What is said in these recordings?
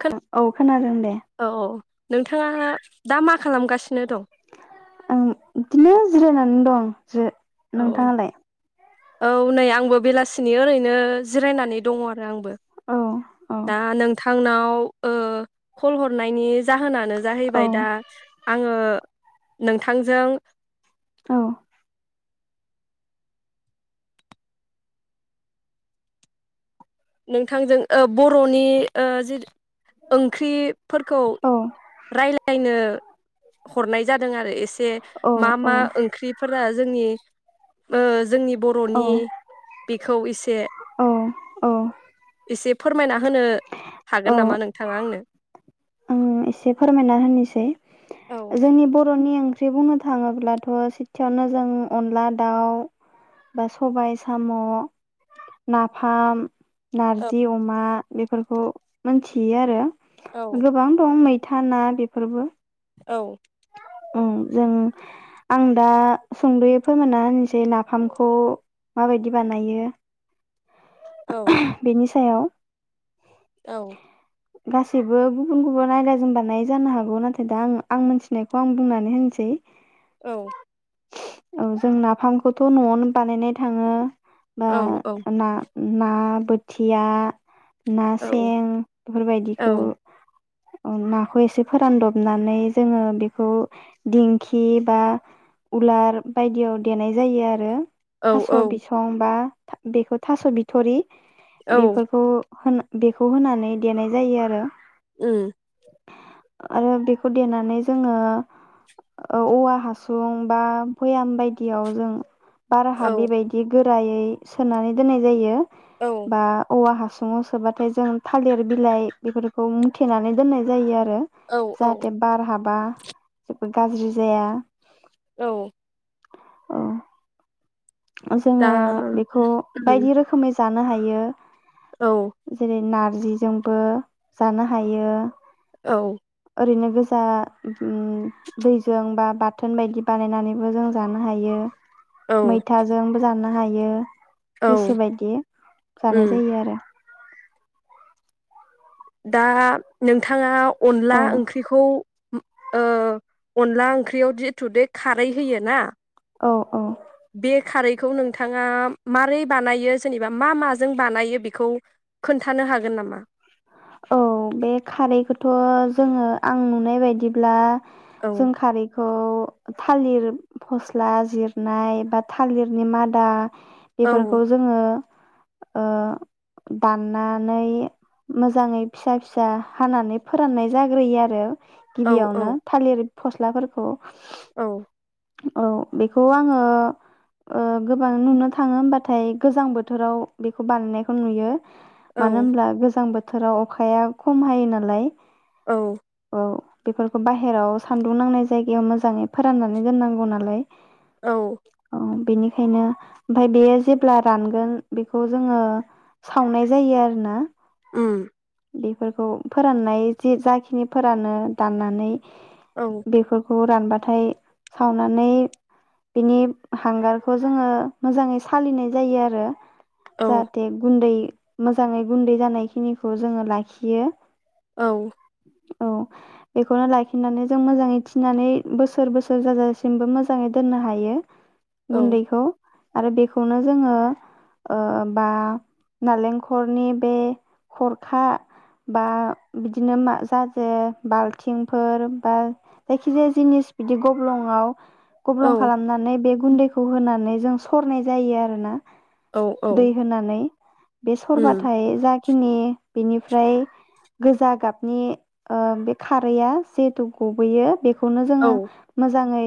खोन औ खोनादों दे औ औ नोंथाङा दा मा खालामगासिनो दं आं इदिनो जिरायनानै दं जो औ नोंथाङालाय? औ नै आंबो बेलासिनि ओरैनो जिरायनानै दङ। आंबो औ औ दा नोंथांनाव ओ कल हरनायनि जा जाहोनानो औ जाहैबाय दा आङो नोंथांजों औ नोंथांजों ओ बर'नि ओ जे ओंख्रिफोरखौ औ राय्लायनो ह हरनाय जाद दों आरो एसे मा औ मा ओंख्रिफोरा जोंनि ओ जोंनि औ बर'नि बे खौ एसे औ औ एसे फोरमायना होनो औ हागोन नामा नोंथाङा आंनो आं एसे फोरमायना होनोसै औ जोंनि बरनि ओंख्रि बुंनो थाङोब्लाथ सेथियावनो जों अनला दाउ बा सबाय साम नाफाम औ नारजि अमा बेफोरखौ मोनथियो आरो‌। औ गोबां। मैं मैथा ना बेफोरबो औ। उम जों आं दा संदफोरमायना होनोसै नाफामखौ माबायदि बानायो- औ। बेनि सायाव औ गासैबो गुबुन गुबुन आयदाजों बानाय जानो हागौ नाथाय दा आं आं मोनथिनायखौ आं बुंनानै होनसै औ औ जों नाफामखौथ नआवनो बानायनाय थाङो बा औ ना ना बोथिया ना सें औ बेफोरबायदिखौ। ओं नाखौ एसे फोरानदबनानै जोङो बेखौ दिंखि बा उलार बायदियाव देनाय जायो आरो। औ थास' बिसं बा बेखौ थास बिथ थरि औ बेफोरखौ। होन बेखौ होनानै देनाय जायो आरो अम आरो बेखौ देनानै जोंङो औवा हासुं बा भैयाम बायदियाव जों औ बाराहा बेबायदि गो रायै सोनानै दोननाय जायो औ बा औवा ह सुङाव सोब्लाथाय जों थालिर बिलाय बेफोरखौ मुथेनानै दोननाय जायो आरो। औ ओ औ जाहाथे बार हाबा गाज्रि जाया औ औ जोङो दा बेखौ उम बायदि रोखोमै जानो हायो। औ जेरै नार नारजिजोंबो जानो हायो औ। ओरैनो गोजा ओम दैजों बा बाथोन बायदि बानायनानैबो जों जानो हायो। औ मैथाजोंबो जानो हायो बियो औ गोसो बायदि जानाय उम जायो आरो दा नोंथाङा औ अनला ओंख्रिखौ ओ अनला ओंख्रियाव जिथु बे खारै होयो ना औ औ बे खारैखौ नोंथाङा मारै बानायो जेनेबा मा माजों बानायो बेखौ खोन्थानो हागोन नामा औ बे खारैखोथ जोङो आं नुनाय बायदिब्ला औ जों खारैखौ खौ थालिर फस्ला जिरनाय बा थालिरनि मादा औ बेफोरखौ जोङो ओ दाननानै मोजाङै फिसा फिसा हानानै फोराननाय जाग्रोयो आरो औ गिबियावनो औ थालिर फस्लाफोरखौ औ। औ बेखौ आङो ओ गोबां नुनो थाङो होमबाथाय गोजां बोथोराव बेखौ बानायनायखौ नुयो। मानो औ होनोब्ला गोजां बोथोर बोथोराव अखाया खम हायो नालाय औ खौ बेफोरखौ बाहेराव सानदुं नांनाय जायगायाव मोजाङै फोरानना दोननांगौ नालाय। औ औ बेनिखायनो ओमफ्राय बेयो जेब्ला रानगोन बेखौ जोङो सावनाय जायो आरो ना उम बेफोरखौ फोराननाय जि जाखिनि फोरानो दाननानै औ बेफोरखौ रानबाथाय सावनानै बिनि हांगारखौ जोङो मोजाङै सालिनाय जायो आरो औ जाहाथे गुन्दै मोजाङै गुन्दै जानायखिनिखौ जोङो लाखियो औ औ बेखौनो लाखिनानै जों मोजाङै थिनानै बोसोर बोसोर जाजासिमबो मोजाङै दोननो हायो। औ गुन्दैखौ आरो बेखौनो जोङो ओ बा नालेंखलनि बे खरखा बा बिदिनो म जाजे बालथिंफोर बा जायखि जाया बजिनिस। गब्लंआव औ गब्लं खालामनानै बे। गुन्दैखौ होनानै जों सरनाय जायो आरो ना। औ औ दै होनानै बे उम सरबाथाय जा खिनि बेनिफ्राय गोजा गाबनि ओ बे खारैया जिहेथु गबोैयो बे बे खौनो जोङो। औ मोजाङै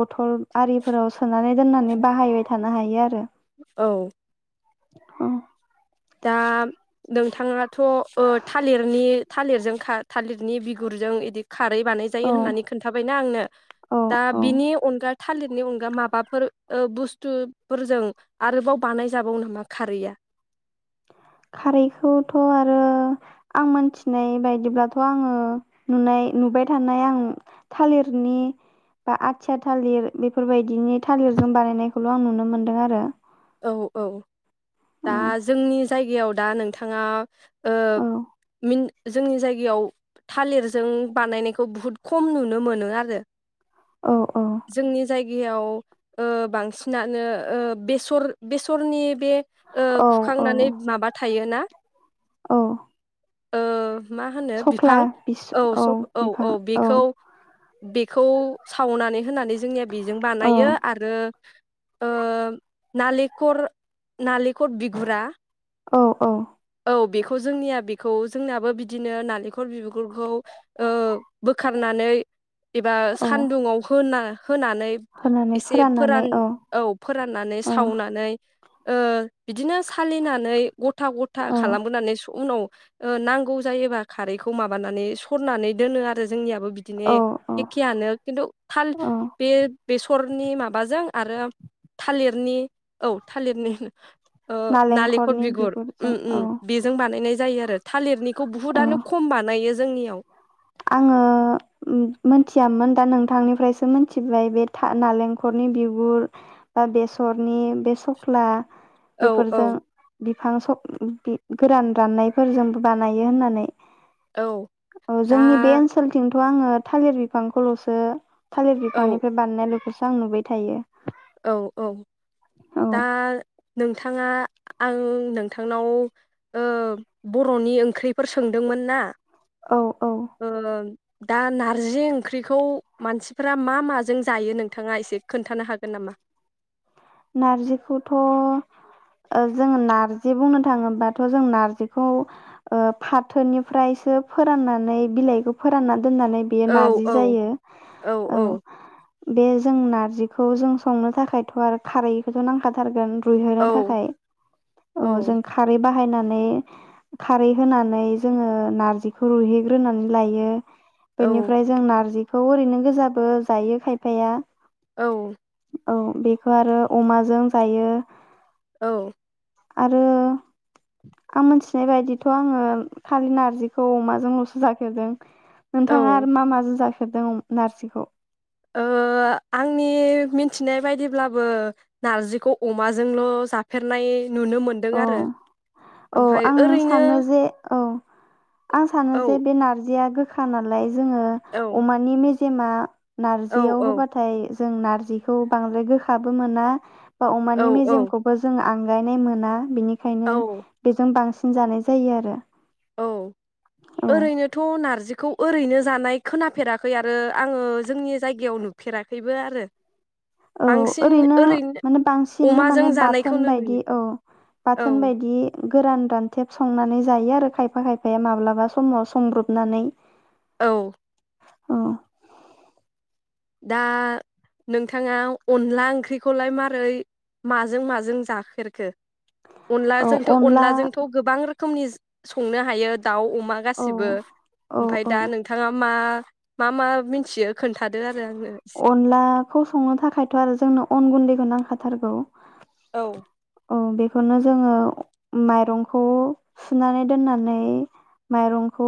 बथल' आरिफोराव सोनानै दोननानै बाहायबाय थानो हायो आरो औ अ दा नोंथाङाथ ओ थालिरनि थालिरजों खा थालिरनि बिगुरजों इदि खारै बानायजायो औ होननानै खोन्थाबायना आंनो औ दा औ बिनि अनगा थालिरनि अनगा माबाफोर ओ बुस्थुफोरजों आरोबाव बानायजाबावो नामा खारैया खारैखौथ आरो आं मोनथिनाय बायदिब्लाथ आङो नुनाय नुबाय थानाय आं थालिरनि बा आथिया थालिर बेफोरबायदिनि थालिरजों बानायनायखौल आं नुनो मोनदों आरो औ औ। औ दा जोंनि जायगायाव दा नोंथाङा। ओ औ मिन जोंनि जायगायाव थालिरजों बानायनायखौ बुहुद खम नुनो मोनो आरो। औ औ गायाव ओ बांसिनानो ओ बेस सर बेसरनि बे ओ औ खुखांनानै माबा थायोना औ ओ मा होनो सख्ला बिफां बिस औ स औ बिफां औ बेखौ। बेखौ सावनानै होनानै जोंनिया बेजों औ बानायो आरो। ओ नालिखर नालि कट बिगुरा। औ औ औ बेखौ जोंनिया बेखौ जोंनियाबो बिदिनो नालेंखल बिगुरखौ ओ बोखारनानै एबा औ सानदुंआव होना होनानै होनानै एसे फोराननानै फोरान औ फोराननानै औ सावनानै ओ बिदिनो सालिनानै गथा ग था औ खालामबोनानै उनाव ओ नांगौ जायोबा खारैखौ माबानानै सरनानै दोनो आरो जोंनियाबो। बिदिनो औ औ एखेयानो खिन्थु थाल औ बे बेस हरनि मा लाजों आरो थालिर नि औ थालिरनि ओ नालेंखर नालेंखरनि बिगुर बिगुरजों उम उम औ बेजों बानायनाय जायो बे‌ थालिरनि खौ बहुतआनो खम बानायो जोंनियाव आंङो मिथियामोन दा नोंथांनिफ्रायसो मिथिबाय बे था नारेंखलनि बिगुर बा बेसरनि बे सख्ला औ बेफोरजों औ [unintelligible] गोरान राननायफोरजोंबो बानायो होननानै औ। औ जोंनि बे दा ओनसोलथिं थ‌ आंङो थालिर बिफांखौलसो थालिर औ बिफांनिफ्राय बानायनाय लोगोसे जां नुबाय थायो औ औ दा नों नोंथांङा आं नोंथांनाव ओ‌ बर'नि ओंख्रिफोर सोंदोंमोन ना औ औ ओ दा नारजि ओंख्रिखौ मानसिफोरा मा मा जों जायो नोंथांङा एसे खोन्थानो हागोन गोन नामा? नारजिखौथ जोंङो नार्जि बुंनो थांङोबाथ जों नारजिखौ ओ फाथोनिफ्रायसो फोराननानै बिलाइखौ फोरानना दोननानै बेयो औ नारजि औ जायो औ बे जों नारजिखौ जों संनो थाखायथ आरो खारैखौथ नांथाथारगोन रुइहोनो औ थाखाय औ जों खारै बा बाहायनानै खारै होनानै जोंङो नारजिखौ रुइहोग्रोनानै लायो। औ बेनिफ्राय जों नारजि थ' ओरैनो गोजाबो जायो खायफाया औ औ बेखौ आरो अमाजों जायो औ आरो आं मोनथिनाय बायदिथ आंङो खालि नारजिखौ अमाजोंलसो जााफेरदों नोंथांङा औ आरो मा माजों जाखो हिदों नारजिखौ ओ आंनि मिथिनाय बायदिब्लाबो नारजिखौ अमाजोंल' जाफेरनाय नुनो मोनदों औ आरो औ ओमफाय आं ओरैनो सानो जे औ, आं सानो जे औ बे नारजिया गो खानालाय जोङो औ अमानि मेजेम तेमा औ नारजियाव औ होबाथाय जों नारजिखौ बांद्राय गोखाबो मोना बा औ अमानि औ मेजेमखौबो जोङो आ आंगायनाय मोना। बिनि खायनो औ बेजों बांसिन जानाय जायो आरो । औ ओरैनोथ नारजि- खौ ओरैनो जानाय खोनाफेराखै आरो आङो जोंनि जायगायाव नुफेराखैबो आरो । औ ओरैनो माने बांसिन अमाजों माने बाथोन जानायखौनो बायदि नुयो औ बाथोन औ बायदि गोरान रानथेब संनानै जायो आरो खायफा खायफाया माब्लाबा समाव संब्रबनानै औ ओम दा नोंथाङा अनला ओंख्रिखौलाय मारै माजों माजों जाफेरखो? औ अनलाजोंथ अनला अनलाजोंथ गोबां रोख खोमनिस संनो हायोद दाउ अमा औ गासिबो औ ओमफ्राय दा औ नोंथाङा मा? मा मा मिथियो खोन्था अनलाखौ संनो थाखायथ' आरो जोंनाव अन गुन्दैखौ नांखाथारगौ। औ औ बेखौनो जोङो माइरंखौ सुनानै दोननानै माइरंखौ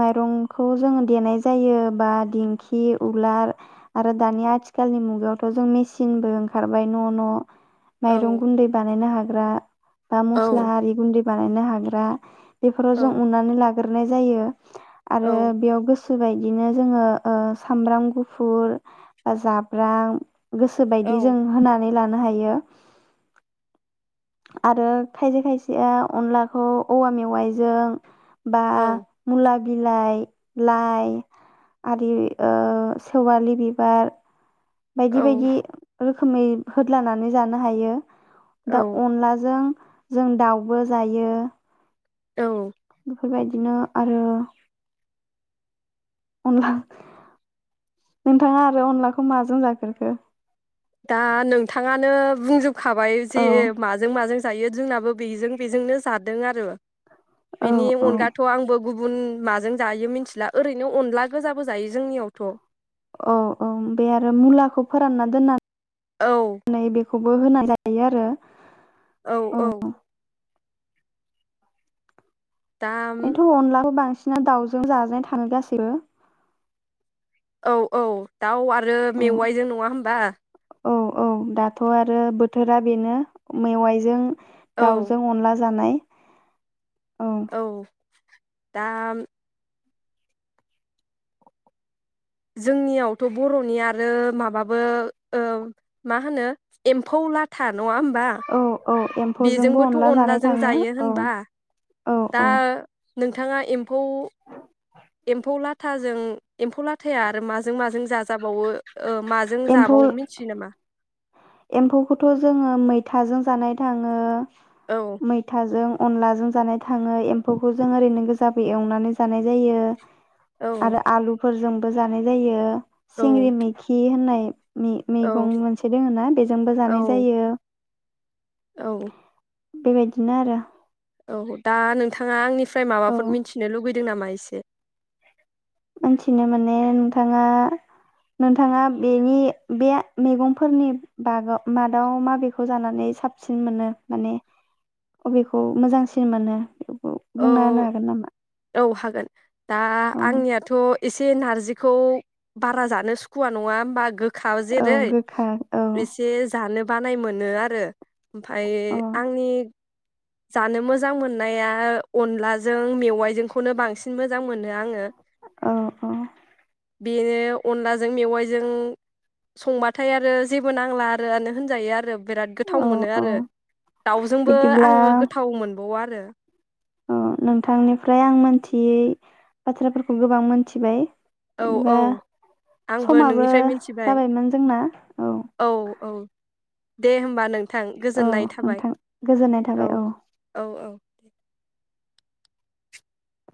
माइरंखौ जोङो देनाय जायो बा दिंखि उलार आरो दानि आथिखालनि मुगायावथ' जों मेसिनबो ओंखारबाय न' न' माइरं औ गुन्दै बानायनो हाग ब्रा बा मस्ला औ आरि गुन्द्रि बानायनो हाग्रा बेफोराव औ जों उननानै लाग गोरनाय जायो आरो औ बेयाव गोस बेबायदिनो जोङो ओ सामब्राम गुफुर जाब्रां गोसोबायदि जों होनानै लानो संनो हायो आरो खायसे खायसेया अनलाखौ औवा मेवाइजों बा औ मुला बिलाइ लाइ आरि ओ सेवालि बि [unintelligible] बायदि औ बायदि रोखोमै होदलानानै जानो हायो। दा औ अनलाजों जों दाउबो जायो औ। बेफोरबायदिनो आरो अनला नोंथाङा आरो अनलाखौ माजों जाफेरखो? दा नोंथाङानो बुंजोब खाबाय जे औ माजों माजों जायो जोंनाबो बेजों बेजोंनो जादों आरो औ बिनि औ अनगाथ आंबो गुबुन माजों जायो मिथिला ओरैनो अनला गोजाबो जायो जोंनियावथ' औ औ बे आरो मुलाखौ फोरानना दोननानै औ बेखौबो होनानै जायो आरो। औ औ। दा बेथ अनलाबो बांसिन [unintelligible] दाउजों जाजानाय थानो गाससिबो औ औ दाउ आरो मेवाइजों नङा होनोमबा? औ औ दाथ आरो बोथोरा बेनो मेवाइजों औ दाउजों अनला जानाय औ दा जोंनियावथ' बर'नि आरो माबाबो ओ मा होनो एम्फौ लाथा नङा होनबा? औ औ एम्फौजोंबो अनला जानाय थाङो औ होनबा औ दा औ। नोंथाङा एम्फौ एम्फौ लाथाजों एम्फौ लाथाया आरो माजों माजों जा जाबावो ओ माजों एम्फौ जाबावो मिथियो नामा? एम्फौखौथ जोङो मैथाजों जानाय थाङो औ मैथाजों अनलाजों जानाय थाङो एम्फौखौ जों ओरैनो गोजाबो एवनानै जानाय जायो। औ आरो आलुफोरजों बो जानाय जायो। औ सिंग्रि मैखि होननाय उम ओ औ मैगं मोनसे दङ ना बेजोंबो जानाय औ जायो औ बेबायदिनो आरो औ दा नोंथाङा आंनि फ्राय औ माबाफोर मिथि लुबै दों नामा एसे मिथिनो माने नोंथाङा नोंथाङा बेनि बे मैगंफोरनि बागै मादाव माबेखौ जानानै साबसिन मोनो माने अबेखौ मोजांसिन मोनो? औ बुंना औ होनो हागोन नामा औ हागोन दा अ आंनियाथ' एसे नारजिखौ बारा जानो सुखुवा नङा होमबा गोख खा औ जेरै गोखा औ एसे जानो बानाय मोनो आरो ओमफाय अ आंनि जानो मोजां मोननाया अनलाजों मेवाइजोंखौनो बांसिन मोजां मोनो आङो । औ औ बेनो अनलाजों मेवाइजों संबाथाय आरो जेबो नांला आरोआनो होनजायो आरो बिराद गोथाव औ मोनो औ आरो दाउजोंबो बिदिब्ला आङो गोथाव मोन ब आरो अ नोंथांनिफ्राय आं मोनथियै बाथ्राफोरखौ गोबां मोनथिबाय औ होमबा औ आंबो समाबो नोंनिफ्राय मिथिबाय जाबायमोन जोंना औ। दे होमबा नों औ नोंथां गोजोननाय थाबाय औ [inaudible]